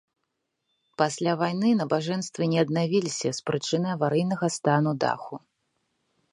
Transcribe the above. Пасля вайны набажэнствы не аднавіліся з прычыны аварыйнага стану даху.